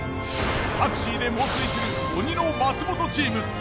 タクシーで猛追する鬼の松本チーム。